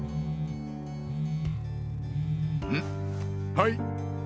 はい。